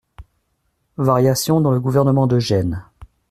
- Variations dans le gouvernement de Gênes.